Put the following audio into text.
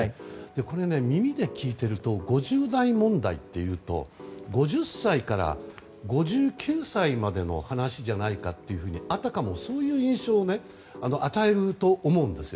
これ、耳で聞いていると５０代問題というと５０歳から５９歳までの話じゃないかというふうにあたかもそういう印象を与えると思うんですよ。